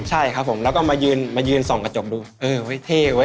ใช่ครับผมแล้วก็มายืนส่องกระจกดูเออไว้เท่ไว้